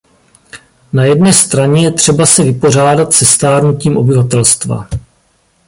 Na jedné straně je třeba se vypořádat se stárnutím obyvatelstva.